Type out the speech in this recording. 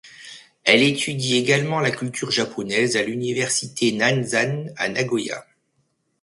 Elle étudie également la culture japonaise à l'université Nanzan, à Nagoya.